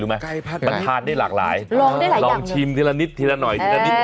มันทานได้หลากหลายลองชิมทีละนิดทีละหน่อยทีละนิด